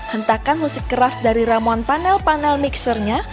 hentakan musik keras dari ramuan panel panel mixernya